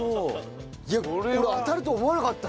いや俺当たると思わなかった。